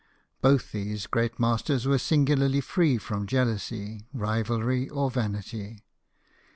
Both these great masters were singularly free from jealousy, rivalry, or vanity.